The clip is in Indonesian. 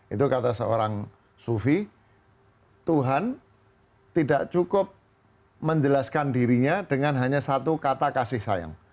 itu kata seorang sufi tuhan tidak cukup menjelaskan dirinya dengan hanya satu kata kasih sayang